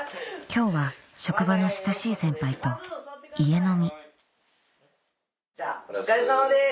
今日は職場の親しい先輩と家飲みじゃあお疲れさまです！